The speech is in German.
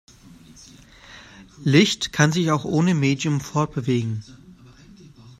Licht kann sich auch ohne Medium fortbewegen.